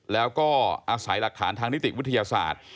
แล้วก็อาศัยหลักฐานทางนิติวิทยาศาสตร์